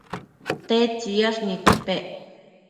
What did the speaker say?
tedtsiyash nidpec